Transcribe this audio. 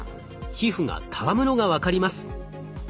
皮膚がたわむのが分かります。